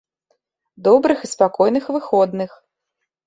Добрых і спакойных выходных!